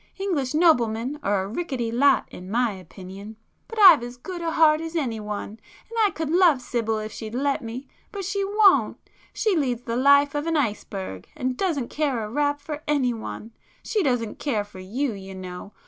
English noblemen are a ricketty lot in my opinion. But I've as good a heart as anyone, and I could love Sibyl if she'd let me, but she won't. She leads the life of an ice berg, and doesn't care a rap for anyone. She doesn't care for you, you know!